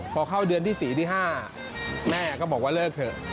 พอเข้าเดือนที่๔ที่๕แม่ก็บอกว่าเลิกเถอะ